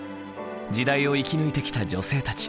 時代を生き抜いてきた女性たち。